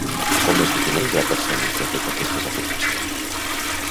Com es defineix la persona que ha fet aquestes afirmacions?